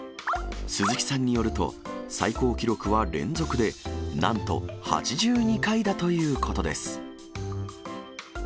鈴木さんによると、最高記録は連続でなんと８２回だということです。